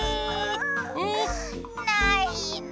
うん。ないの。